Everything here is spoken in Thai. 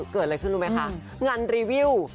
เกิดอะไรขึ้นรู้ไหมคะงานรีวิว